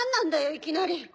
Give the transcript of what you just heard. いきなり。